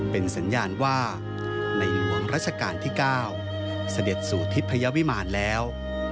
เป็นสัญญาณว่าในหลวงรัชกาลที่๙เสด็จสู่ทิพยวิมารแล้ว